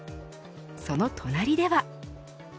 その隣では。